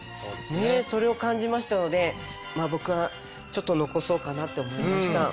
それを感じましたので僕はちょっと残そうかなって思いました。